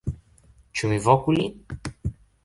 Ĉu mi voku lin?